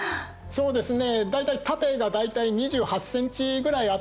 そうですね。